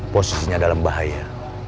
posisinya dalam bahaya